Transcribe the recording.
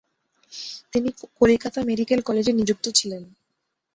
তিনি কলিকাতা মেডিক্যাল কলেজে নিযুক্ত ছিলেন।